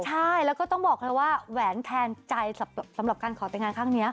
ใช่แล้วก็ต้องบอกเลยว่าแหวนแทนใจสำหรับการขอแต่งงานครั้งนี้